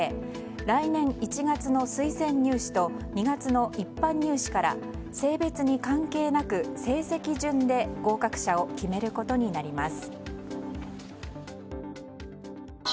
来年１月の推薦入試と２月の一般入試から性別に関係なく成績順で合格者を決めることになります。